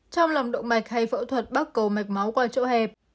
trong lòng động mạch hay phẫu thuật bắc cầu mạch máu qua chỗ hẹp